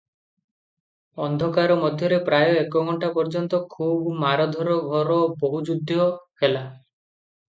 ଅନ୍ଧକାର ମଧ୍ୟରେ ପ୍ରାୟ ଏକ ଘଣ୍ଟା ପର୍ଯ୍ୟନ୍ତ ଖୁବ ମାରଧର ଘୋର ବାହୁଯୁଦ୍ଧ ହେଲା ।